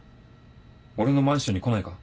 俺のマンションに来ないか？